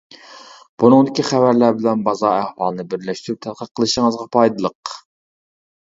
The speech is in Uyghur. بۇنىڭدىكى خەۋەرلەر بىلەن بازار ئەھۋالىنى بىرلەشتۈرۈپ تەتقىق قىلىشىڭىزغا پايدىلىق.